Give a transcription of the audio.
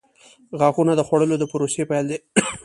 • غاښونه د خوړلو د پروسې پیل دی.